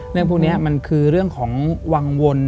เรื่องพวกนี้มันคือเรื่องของวังวล